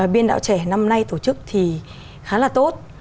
biên đạo trẻ năm nay tổ chức thì khá là tốt